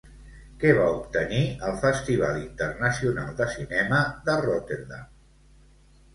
Què va obtenir al Festival Internacional de Cinema de Rotterdam?